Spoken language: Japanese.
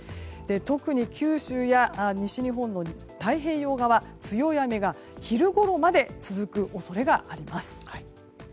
特に、九州や西日本の太平洋側強い雨が昼ごろまで続く恐れがあります。